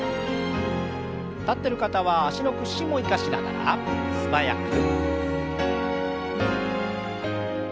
立ってる方は脚の屈伸も生かしながら素早く。